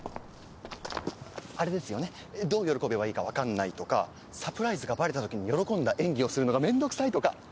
あれですよねどう喜べばいいか分かんないとかサプライズがバレた時に喜んだ演技をするのが面倒くさいとか。